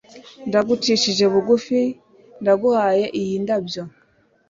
Ndagucishije bugufi ndaguhaye iyi ndabyo